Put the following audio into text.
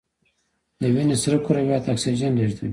د وینې سره کرویات اکسیجن لیږدوي